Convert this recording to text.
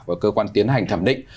và cơ quan tiến hành thẩm định